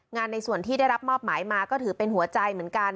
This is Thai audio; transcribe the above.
ในส่วนที่ได้รับมอบหมายมาก็ถือเป็นหัวใจเหมือนกัน